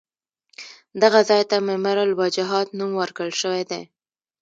دغه ځای ته ممر الوجحات نوم ورکړل شوی دی.